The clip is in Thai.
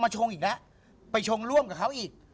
ชงอีกแล้วไปชงร่วมกับเขาอีก